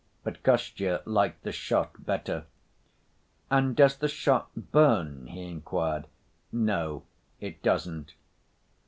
But Kostya liked the shot better. "And does the shot burn?" he inquired. "No, it doesn't."